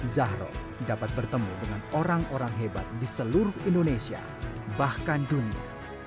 zahro dapat bertemu dengan orang orang hebat di seluruh indonesia bahkan dunia